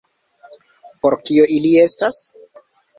Por kio ili estas?